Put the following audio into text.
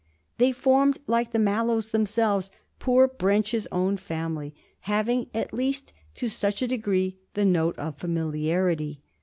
They formed, like the Mallows themselves, poor Brench's own family having at least to such a degree the note of familiarity.